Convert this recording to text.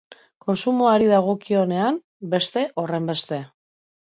Kontsumoari dagokionean beste horrenbeste.